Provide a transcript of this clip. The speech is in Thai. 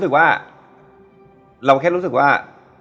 รู้แต่เราแค่รู้สึกว่า